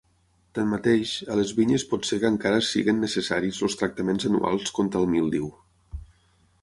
Tanmateix, a les vinyes pot ser que encara siguin necessaris els tractaments anuals contra el míldiu.